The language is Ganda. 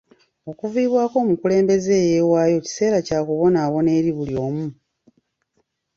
Okuviibwako omukulembeze eyeewaayo kiseera kya kubonaabona eri buli omu.